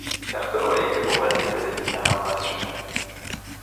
تختههایی که با بست فلزی به هم وصل شدهاند